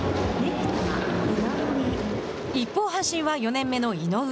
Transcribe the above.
一方、阪神は４年目の井上。